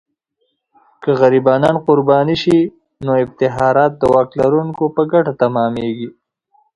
که غریبان قرباني سي، نو افتخارات د واک لرونکو په ګټه تمامیږي.